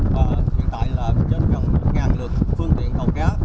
và hiện tại là trên gần một lượt phương tiện tàu cá